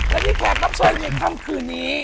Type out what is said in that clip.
และที่แขกรับส่วนในคำคืนนี้